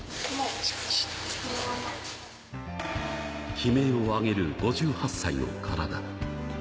悲鳴をあげる５８歳の体。